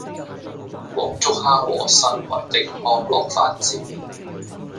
黃竹坑和新圍的康樂發展